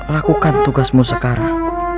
lakukan tugasmu sekarang